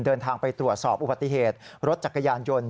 เดินทางไปตรวจสอบอุบัติเหตุรถจักรยานยนต์